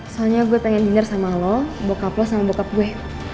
soalnya gue pengen diner sama lo bokap lo sama bokap gue